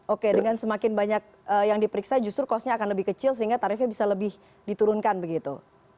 oke dengan semakin banyak yang diperiksa justru kosnya akan lebih kecil sehingga tarifnya bisa lebih diturunkan begitu